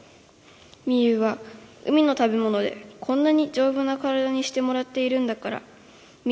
みゆうは、海の食べものでこんなにじょうぶな体にしてもらっているんだからみ